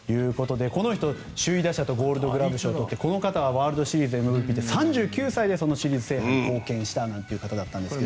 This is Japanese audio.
この人、首位打者とゴールドグラブ賞を取ってこの人はワールドシリーズＭＶＰで３９歳でシリーズ制覇に貢献したという方ですが。